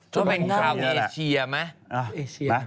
ต้องเป็นข้าวเอเชียมั้ย